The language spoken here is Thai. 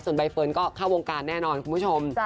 ใบเฟิร์นก็เข้าวงการแน่นอนคุณผู้ชม